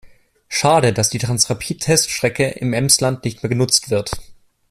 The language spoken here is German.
Schade, dass die Transrapid-Teststrecke im Emsland nicht mehr genutzt wird.